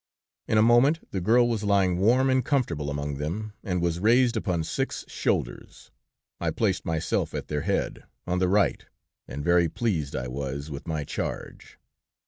In a moment, the girl was lying, warm and comfortable, among them, and was raised upon six shoulders. I placed myself at their head, on the right, and very pleased I was with my charge.